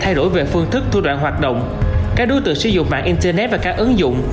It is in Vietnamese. thay đổi về phương thức thua đoạn hoạt động các đối tượng sử dụng mạng internet và các ứng dụng